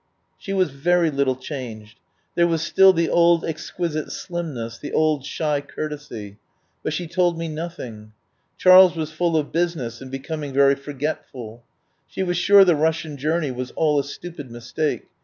She was very little changed. There was still the old exquisite slimness, the old shy courtesy. But she told me nothing. Charles was full of business and becoming very for getful. She was sure the Russian journey was all a stupid mistake.